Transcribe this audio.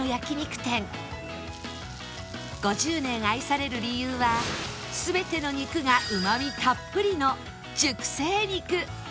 ５０年愛される理由は全ての肉がうまみたっぷりの熟成肉